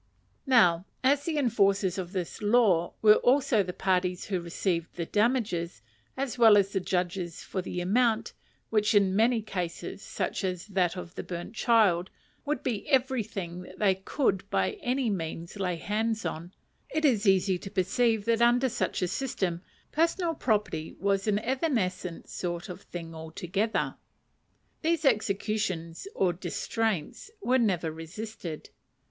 Now as the enforcers of this law were also the parties who received the damages, as well as the judges of the amount which in many cases (such as that of the burnt child) would be everything they could by any means lay hands on it is easy to perceive that under such a system, personal property was an evanescent sort of thing altogether. These executions or distraints were never resisted.